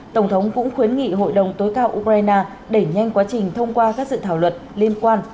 tổng thống cũng khuyến nghị hội đồng tối cao ukraine đẩy nhanh quá trình thông qua các dự thảo luật liên quan